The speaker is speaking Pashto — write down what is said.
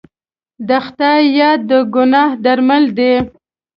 د خدای یاد د ګناه درمل دی.